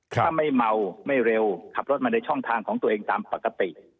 ถ้าไม่เมาไม่เร็วขับรถมาในช่องทางของตัวเองตามปกติ